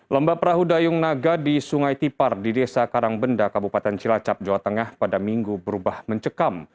lomba perahu dayung naga di sungai tipar di desa karangbenda kabupaten cilacap jawa tengah pada minggu berubah mencekam